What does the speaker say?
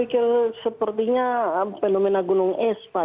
ya ini saya pikir sepertinya fenomena gunung es pak